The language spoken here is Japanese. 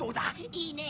いいね。